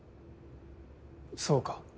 そうか。